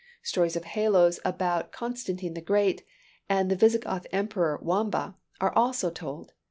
Stories of halos about Constantine the Great, and the Visigoth emperor Wamba, are also told.